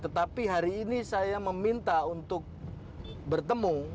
tetapi hari ini saya meminta untuk bertemu